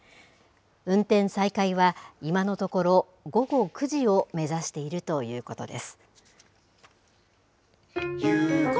運転再開は、今のところ、午後９時を目指しているということです。